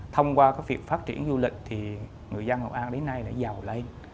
thông qua việc phát triển du lịch thì người dân hội an đến nay đã giàu lên